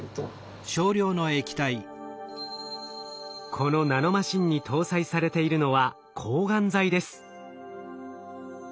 このナノマシンに搭載されているのは抗がん剤です。